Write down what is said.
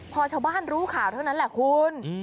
พอชาวบ้านรู้ข่าวเท่านั้นแหละคุณ